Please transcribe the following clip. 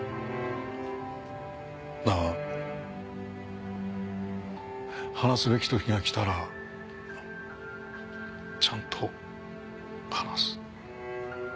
だが話すべきときが来たらちゃんと話す。